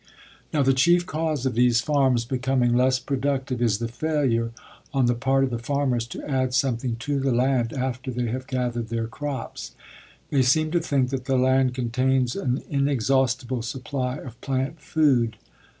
Now, the chief cause of these farms becoming less productive is the failure on the part of the farmers to add something to the land after they have gathered their crops. They seem to think that the land contains an inexhaustible supply of plant food.